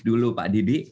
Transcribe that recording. dulu pak didik bagaimana